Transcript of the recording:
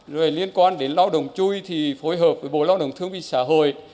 rồi liên quan đến lao động chui thì phối hợp với bộ lao động thương binh xã hội